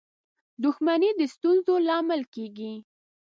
• دښمني د ستونزو لامل کېږي.